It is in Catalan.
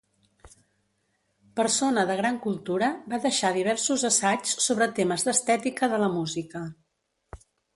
Persona de gran cultura, va deixar diversos assaigs sobre temes d'estètica de la música.